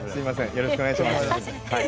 よろしくお願いします。